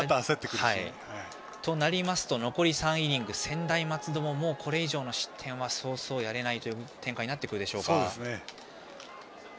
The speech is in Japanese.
となりますと残り３イニング専大松戸もこれ以上の失点は早々やれないという展開になってくるでしょうか。